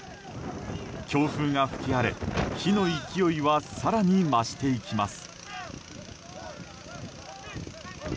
強風が吹き荒れ火の勢いは更に増していきます。